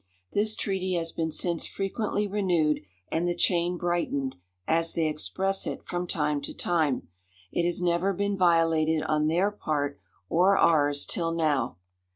"This treaty has been since frequently renewed, and the chain brightened, as they express it, from time to time. It has never been violated on their part, or ours, till now.